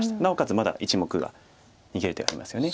まだ１目が逃げる手がありますよね。